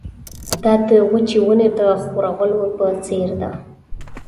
دا د وچې ونې د ښورولو په څېر ده.